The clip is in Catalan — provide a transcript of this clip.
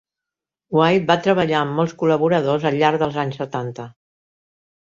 White va treballar amb molts col·laboradors al llarg dels anys setanta.